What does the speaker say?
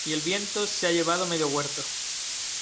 y el viento se ha llevado medio huerto.